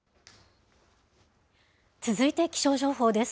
続いて気象情報です。